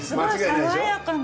爽やかな。